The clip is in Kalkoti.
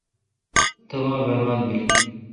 تبا برباد بیل۔